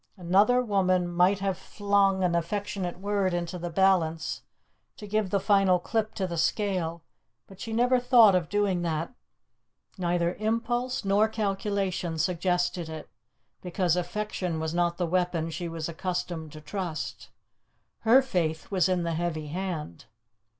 Another woman might have flung an affectionate word into the balance to give the final clip to the scale, but she never thought of doing that; neither impulse nor calculation suggested it, because affection was not the weapon she was accustomed to trust. Her faith was in the heavy hand.